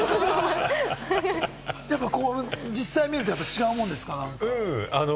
実際見ると違うもんですか？